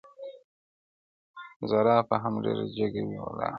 زرافه هم ډېره جګه وي ولاړه،